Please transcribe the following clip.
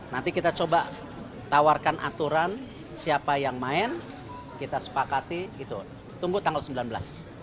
nanti kita coba tawarkan aturan siapa yang main kita sepakati tunggu tanggal sembilan belas